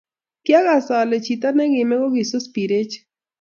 kiakas ale chito ne kime ko kisus pirechik